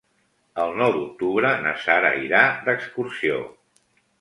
El nou d'octubre na Sara irà d'excursió.